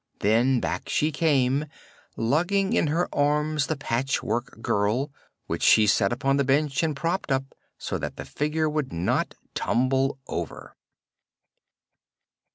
Then back she came, lugging in her arms the Patchwork Girl, which she set upon the bench and propped up so that the figure would not tumble over.